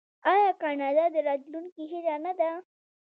آیا کاناډا د راتلونکي هیله نه ده؟